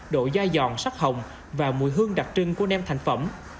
độ dai giòn sắc hồng và mùi hương đặc trưng của nem thành phẩm